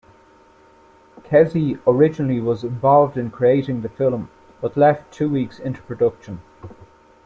Kesey originally was involved in creating the film, but left two weeks into production.